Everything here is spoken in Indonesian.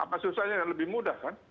apa susahnya dan lebih mudah kan